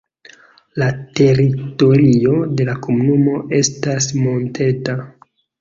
La teritorio de la komunumo estas monteta.